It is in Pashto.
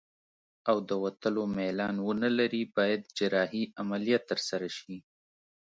او د وتلو میلان ونلري باید جراحي عملیه ترسره شي.